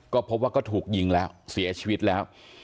ก็พบว่าก็ถูกยิงแล้วเสียชีวิตแล้ว